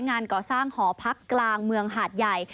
งานก่อสร้างหอพักกลางเมืองหาดใหญ่